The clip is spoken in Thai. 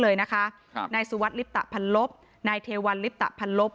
เสนอ๓ชื่อเลยนะคะนายสุวรรษลิปตะพันลบนายเทวัลลิปตะพันลบ